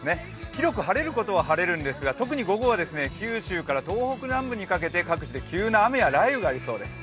広く晴れることは晴れるんですが特に午後は九州から東北南部にかけて各地で急な雨や雷雨があります。